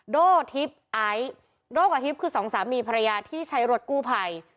โด่ฮิปอายโด่กว่าฮิปคือสองสามีภรรยาที่ใช้รถกู้ภัย